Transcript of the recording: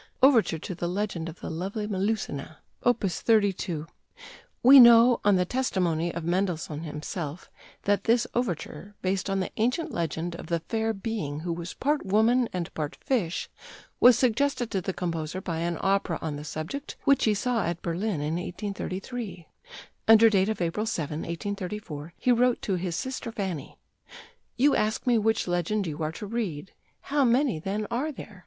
OVERTURE TO THE LEGEND OF THE LOVELY MELUSINA: Op. 32 We know, on the testimony of Mendelssohn himself, that this overture, based on the ancient legend of the fair being who was part woman and part fish, was suggested to the composer by an opera on the subject which he saw at Berlin in 1833. Under date of April 7, 1834, he wrote to his sister Fanny: "You ask me which legend you are to read. How many, then, are there?